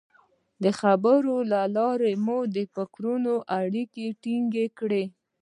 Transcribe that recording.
د خبرو له لارې مو د فکرونو اړیکه ټینګه کړه.